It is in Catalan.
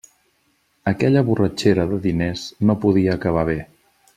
Aquella borratxera de diners no podia acabar bé.